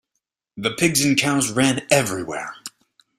The pigs and cows ran everywhere.